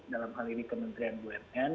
dalam hal ini kementerian bumn